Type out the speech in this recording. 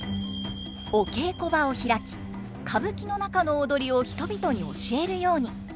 お稽古場を開き歌舞伎の中の踊りを人々に教えるように。